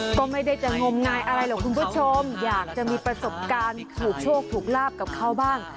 ก็ไม่ได้จะงมงายอะไรหรอกคุณผู้ชมอยากจะมีประสบการณ์ถูกโชคถูกลาบกับเขาบ้าง